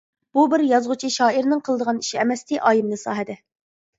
بۇ بىر يازغۇچى، شائىرنىڭ قىلىدىغان ئىشى ئەمەستى ئايىمنىسا ھەدە.